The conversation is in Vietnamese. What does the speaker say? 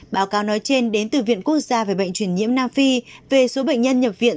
báo cáo nói trên đến từ viện quốc gia về bệnh truyền nhiễm nam phi về số bệnh nhân nhập viện